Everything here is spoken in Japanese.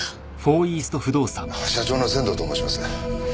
社長の仙道と申します。